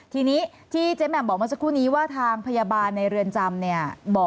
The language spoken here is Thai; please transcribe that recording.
ทีนี้ที่เจ๊แหม่มบอกเมื่อสักครู่นี้ว่าทางพยาบาลในเรือนจำเนี่ย